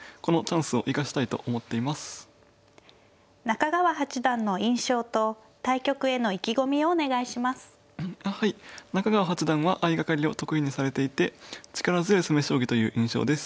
中川八段は相掛かりを得意にされていて力強い攻め将棋という印象です。